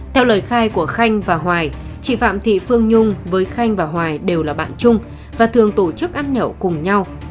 theo lời khai của khanh và hoài chị phạm thị phương nhung với khanh và hoài đều là bạn chung và thường tổ chức ăn nhậu cùng nhau